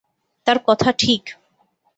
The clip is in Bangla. তার কথা ঠিক!